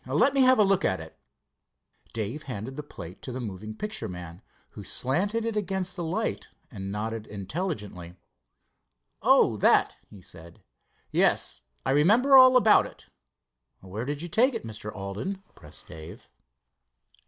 Let me have a look at it." Dave handed the plate to the moving picture man, who slanted it against the light and nodded intelligently. "Oh, that?" he said. "Yes, I remember all about it." "Where did you take it, Mr. Alden?" pressed Dave.